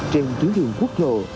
trên dưới đường quốc lộ